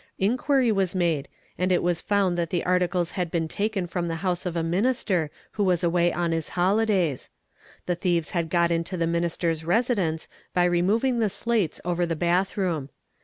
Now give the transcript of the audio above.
Inquiry was made, and it was found that the articles had been taken from the house of a minister who was away on his holidays. The thieves had got into the minister's residence by removing the slates over the bathroom.